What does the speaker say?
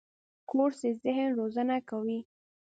کورس د ذهن روزنه کوي.